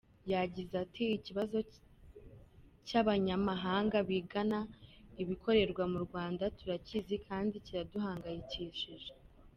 Yagize ati “Ikibazo cy’abanyamahanga bigana ibikorerwa mu Rwanda turakizi kandi kiraduhangayikishije.